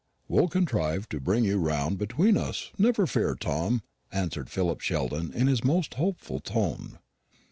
"We'll contrive to bring you round between us, never fear, Tom," answered Philip Sheldon in his most hopeful tone.